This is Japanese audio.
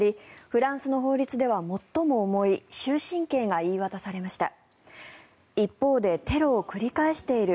フランスの法律では最も重い終身刑が言い渡されました。